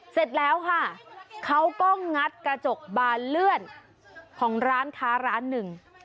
เสร็จแล้วค่ะเขาก็งัดกระจกบานเลื่อนของร้านค้าร้านหนึ่ง